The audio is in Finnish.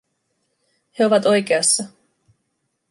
He ovat oikeassa.